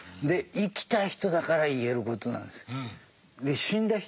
で生きた人だから言えることなんです。